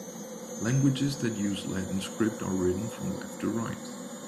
Languages that use the Latin script are written from left to right.